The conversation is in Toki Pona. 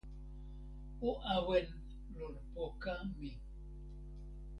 o awen lon poka mi.